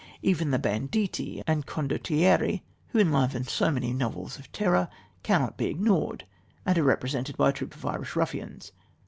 Even the banditti and condottieri, who enliven so many novels of terror, cannot be ignored, and are represented by a troop of Irish ruffians.